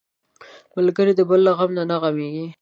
ملګری د بل له غم نه غمېږي